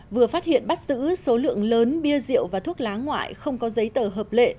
vừa phát hiện bắt giữ số lượng lớn bia rượu và thuốc lá ngoại không có giấy tờ hợp lệ